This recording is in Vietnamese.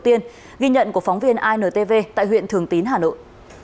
ghi nhận của phóng viên intv tại huyện thường tín hà nội